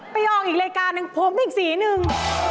ไปออกอีกรายการหนึ่งผมไปอีกสีหนึ่ง